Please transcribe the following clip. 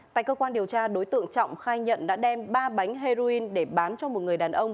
tại cơ quan điều tra đối tượng trọng khai nhận đã đem ba bánh heroin để bán cho một người đàn ông